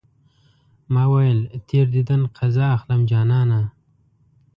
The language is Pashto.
ما ويل تېر ديدن قضا اخلم جانانه